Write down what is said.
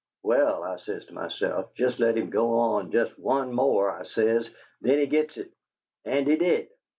'Well,' I says to myself, 'jest let him go on, jest one more,' I says, 'then he gits it.' And he did.